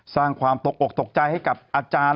สร้างความตกอกตกใจให้กับอาจารย์